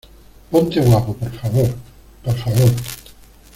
ponte guapo, por favor , por favor.